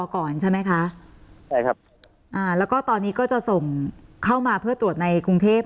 ก่อนใช่ไหมคะใช่ครับอ่าแล้วก็ตอนนี้ก็จะส่งเข้ามาเพื่อตรวจในกรุงเทพ